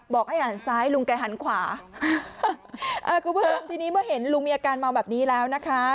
บอกให้หันซ้ายลุงแกหันขวาอ่าคุณผู้ชมทีนี้เมื่อเห็นลุงมีอาการเมาแบบนี้แล้วนะคะ